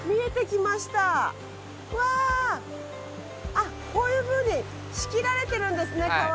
あっこういうふうに仕切られてるんですね川。